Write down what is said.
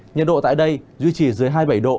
nhiệt độ tại đây duy trì dưới hai mươi bảy độ